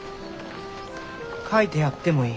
書いてやってもいい。